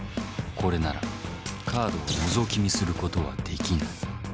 これならカードをのぞき見することはできない。